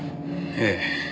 ええ。